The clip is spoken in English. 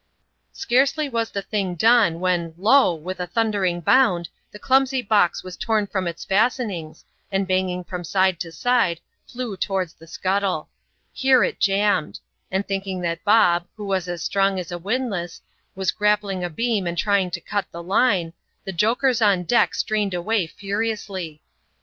Scarcely was the thing done, when lo ! with a thundering bound, the clumsy box was torn from its fastenings, and banging from side to side, flew towards the scuttle. Here it jammed ; and thinking that Bob, who was as strong as a windlass, was grappling a beam and trying to cut the line, the jokers on deck strained away furiously.